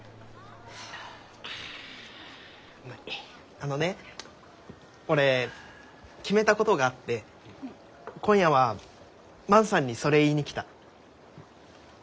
あのね俺決めたことがあって今夜は万さんにそれ言いに来た。